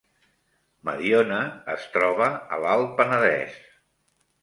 Mediona es troba a l’Alt Penedès